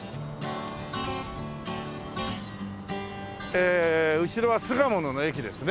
ええ後ろは巣鴨の駅ですね。